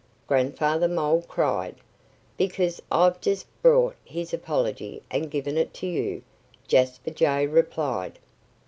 Grandfather Mole cried. "Because I've just brought his apology and given it to you," Jasper Jay replied.